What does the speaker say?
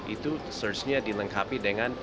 itu search nya dilengkapi dengan